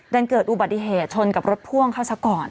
ดันเกิดอุบัติเหตุชนกับรถพ่วงเขาซะก่อน